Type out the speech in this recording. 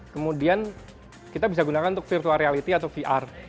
kemudian kita bisa gunakan untuk virtual reality atau vr